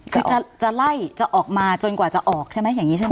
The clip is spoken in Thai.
คือจะไล่จะออกมาจนกว่าจะออกใช่ไหมอย่างนี้ใช่ไหม